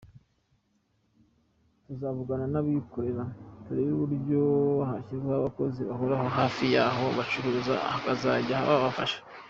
Tuzavugana n’abikorera turebe uburyo hashyirwaho abakozi bahoraho hafi y’abo bacuruzi bakazajya babafasha.